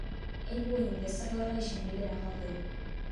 Эл бул инвесторлорго ишенбей деле калды.